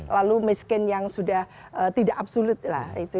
lalu miskin yang sudah tidak absolut lah